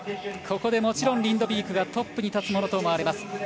ここでもちろんリンドビークがトップに立つものと思われます。